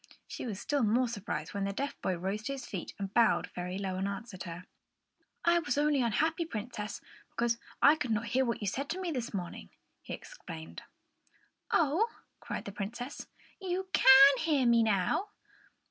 She was still more surprised when the deaf boy rose to his feet and bowed very low and answered her. "I was only unhappy, Princess, because I could not hear what you said to me this morning," he explained. "Oh!" cried the Princess. "You can hear me now!"